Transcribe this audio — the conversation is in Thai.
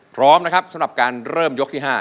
พร้อมนะครับสำหรับการเริ่มยกที่๕